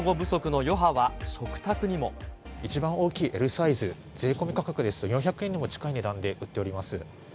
一番大きいＬサイズ、税込み価格ですと４００円にも近い値段で売っております。